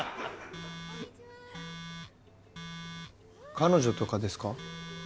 彼女とかですか？